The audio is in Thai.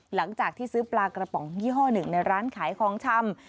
หลังจากที่ซื้อปลากระป๋องยี่ห้อหนึ่งในร้านขายของชำ